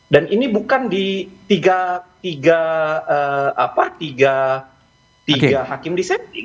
dan ini bukan di tiga hakim disetting